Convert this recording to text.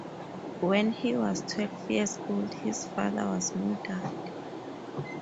When he was twelve years old his father was murdered.